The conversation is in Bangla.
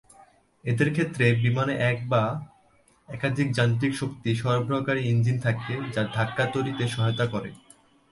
এদের ক্ষেত্রে বিমানে এক বা একাধিক যান্ত্রিক শক্তি সরবরাহকারী ইঞ্জিন থাকে যারা ধাক্কা তৈরিতে সহায়তা করে।